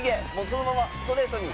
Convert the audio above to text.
そのままストレートに。